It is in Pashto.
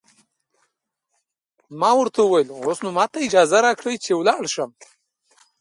ما ورته وویل: اوس نو ماته اجازه راکړئ چې ولاړ شم.